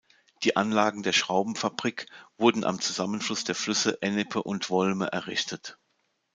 Die Anlagen der Schraubenfabrik wurden am Zusammenfluss der Flüsse Ennepe und Volme errichtet.